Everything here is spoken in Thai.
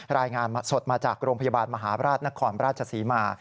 รายงานสดมาจากโรงพยาบาลมหาราชนครราชศรีมา